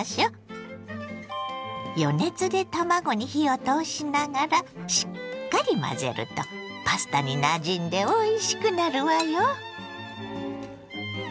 余熱で卵に火を通しながらしっかり混ぜるとパスタになじんでおいしくなるわよ。